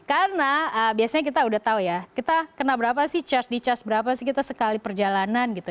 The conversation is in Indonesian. karena biasanya kita udah tahu ya kita kena berapa sih charge di charge berapa sih kita sekali perjalanan gitu